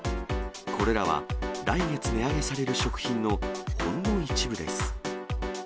これらは来月値上げされる食品のほんの一部です。